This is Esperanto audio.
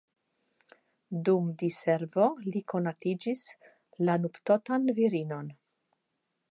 Dum diservo li konatiĝis la nuptotan virinon.